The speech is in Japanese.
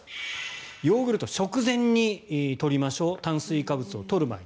ヨーグルト、食前に取りましょう炭水化物を取る前に。